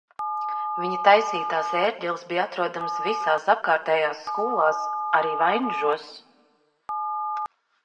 Viņa taisītās ērģeles bija atrodamas visās apkārtējās skolās, arī Vainižos.